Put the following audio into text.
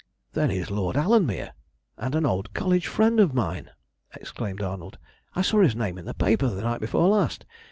"Then he is Lord Alanmere, and an old college friend of mine!" exclaimed Arnold. "I saw his name in the paper the night before last.